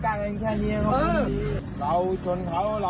ทหารเตอร์ไซต์คู่กับทหารเมาขี่จักรยานยนต์